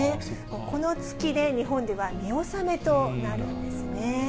この月で、日本では見納めとなるんですね。